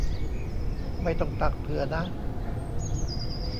ไม่ต้องตักเผื่อนะ